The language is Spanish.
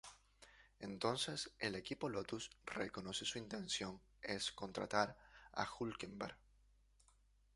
Entonces, el equipo Lotus reconoce su intención es contratar a Hülkenberg.